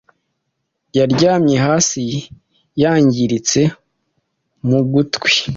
yaryamye hasi yangiritse mu gutwi